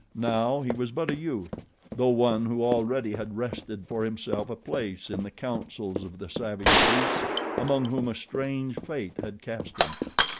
Now he was but a youth, though one who already had wrested for himself a place in the councils of the savage beasts among whom a strange fate had cast him.